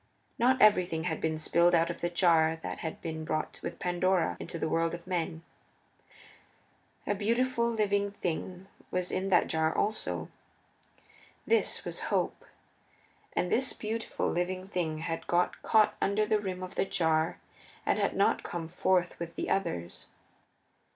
Not everything had been spilled out of the jar that had been brought with Pandora into the world of men. A beautiful, living thing was in that jar also. This was Hope. And this beautiful, living thing had got caught under the rim of the jar and had not come forth with the others.